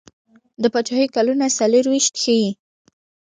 د پاچهي کلونه څلیرویشت ښيي.